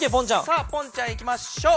さあポンちゃんいきましょう。